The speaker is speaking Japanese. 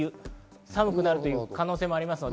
寒くなる可能性もあります。